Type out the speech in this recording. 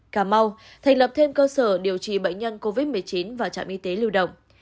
cà mau thành lập thêm cơ sở điều trị bệnh nhân covid một mươi chín và trạm y tế lưu động